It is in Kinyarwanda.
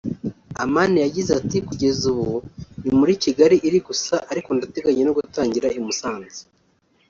Amani yagize ati “ Kugeza ubu ni muri Kigali iri gusa ariko ndateganya no gutangira i Musanze